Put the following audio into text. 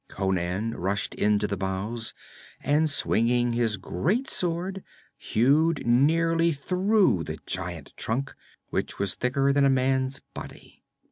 Conan rushed into the bows, and swinging his great sword, hewed nearly through the giant trunk, which was thicker than a man's body.